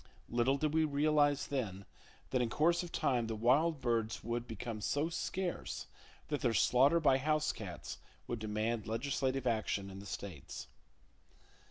Little did we realize then that in course of time the wild birds would [Page 74] become so scarce that their slaughter by house cats would demand legislative action in the states.